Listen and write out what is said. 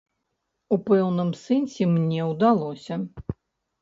У пэўным сэнсе мне ўдалося.